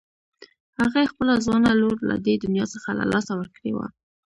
هغې خپله ځوانه لور له دې دنيا څخه له لاسه ورکړې وه.